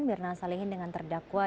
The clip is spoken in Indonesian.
mirna salihin dengan terdakwa